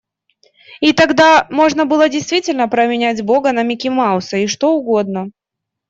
И тогда можно было действительно променять Бога на Микки Мауса и что угодно.